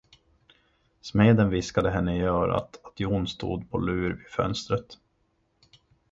Smeden viskade henne i örat, att Jon stod på lur vid fönstret.